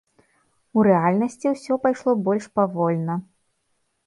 У рэальнасці ўсё пайшло больш павольна.